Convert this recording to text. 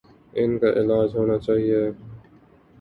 ان کا علاج ہونا چاہیے۔